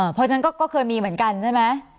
เพราะฉะนั้นก็เคยมีเหมือนกันใช่ไหม